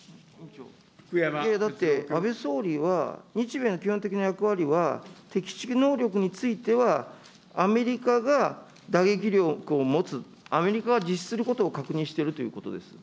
だって、安倍総理は日米の基本的な役割は、敵基地能力についてはアメリカが打撃力を持つ、アメリカが実施することを確認してるということです。